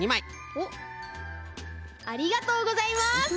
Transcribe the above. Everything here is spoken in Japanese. おっありがとうございます！